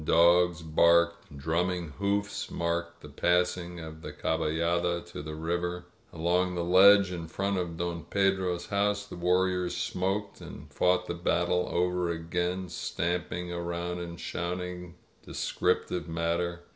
Dogs barked. Drumming hoofs marked the passing of •^ the cabaUada to the river. Along the ledge in front of Don Pedro's house the warriors smoked and fought the battle over again, stamping around and shouting descriptive matter.